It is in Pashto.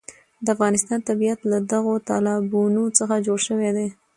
د افغانستان طبیعت له دغو تالابونو څخه جوړ شوی دی.